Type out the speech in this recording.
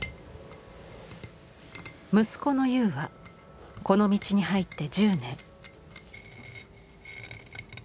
息子の悠はこの道に入って１０年。